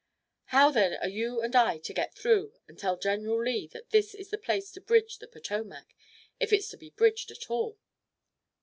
"How then are you and I to get through and tell General Lee that this is the place to bridge the Potomac, if it's to be bridged at all?"